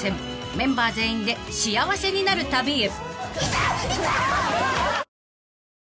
メンバー全員で幸せになる旅へ］